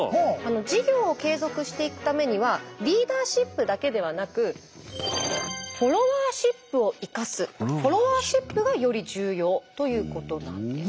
事業を継続していくためにはリーダーシップだけではなくフォロワーシップがより重要ということなんです。